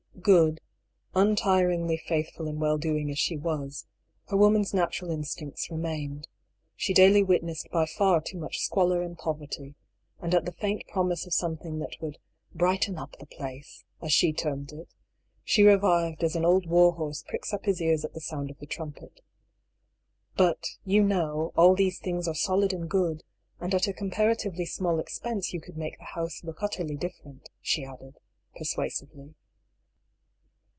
Good, untiringly faithful in well doing as she was, her woman's natural instincts remained ; she daily witnessed by far too much squalor and poverty, and at the faint promise of something that would "brighten up the place," as she termed it, she revived as an old war horse pricks up his ears at the sound of the trumpet. "But, you know, all these things are solid and good, and at a comparatively small expense you could make the house look utterly different," she added, persua sively.